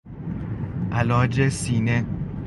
علاج سینه